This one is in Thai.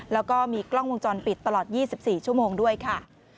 แล้วก็มีกล้องวงจรปิดตลอด๒๔ชั่วโมงด้วยค่ะ